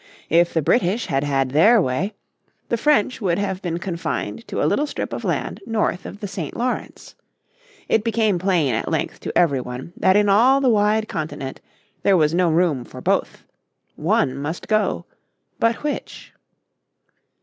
If the British had had their way the French would have been confined to a little strip of land north of the St. Lawrence. It became plain at length to every one that in all the wide continent there was no room for both. One must go. But which?